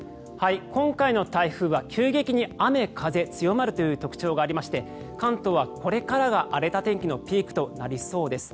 今回の台風は急激に雨、風が強まるという特徴がありまして関東はこれからが荒れた天気のピークとなりそうです。